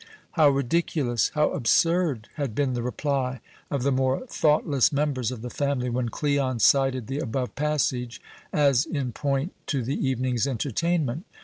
"How ridiculous! how absurd!" had been the reply of the more thoughtless members of the family, when Cleon cited the above passage as in point to the evening's entertainment.